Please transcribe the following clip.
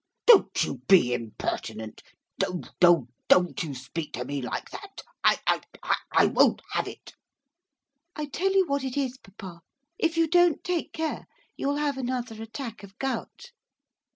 'Don't you be impertinent! do do don't you speak to me like that! I I I won't have it!' 'I tell you what it is, papa, if you don't take care you'll have another attack of gout.